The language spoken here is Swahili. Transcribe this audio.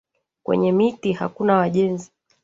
Kwenye miti hakuna wajenzi